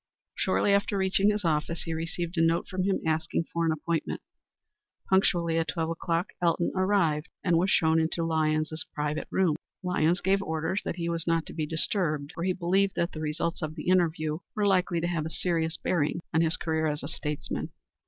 Shortly after reaching his office he received a note from him asking for an appointment. Punctually at twelve o'clock Elton arrived and was shown into Lyons's private room. Lyons gave orders that he was not to be disturbed, for he believed that the results of the interview were likely to have a serious bearing on his career as a statesman.